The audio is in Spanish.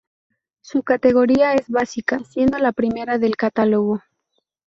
Su categoría es básica, siendo la primera del catálogo.